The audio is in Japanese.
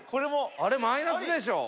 あれマイナスでしょ。